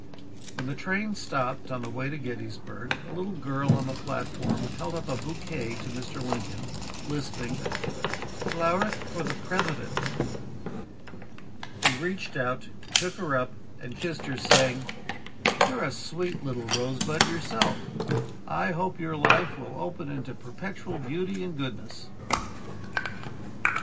'" When the train stopped, on the way to Gettysburg, a little girl on the platform held up a bouquet to Mr. Lincoln, lisping: "Flowerth for the Prethident." He reached out, took her up and kissed her, saying: "You're a sweet little rosebud yourself. I hope your life will open into perpetual beauty and goodness."